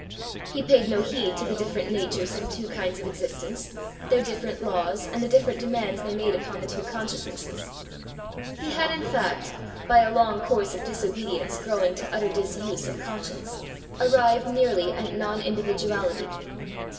He paid no heed to the different natures of the two kinds of existence, their different laws, and the different demands they made upon the two consciousnesses; he had in fact, by a long course of disobedience growing to utter disuse of conscience, arrived nearly at non individuality.